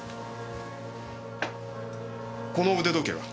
この腕時計は？